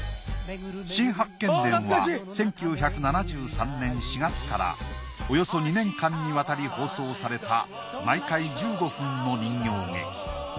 『新八犬伝』は１９７３年４月からおよそ２年間にわたり放送された毎回１５分の人形劇。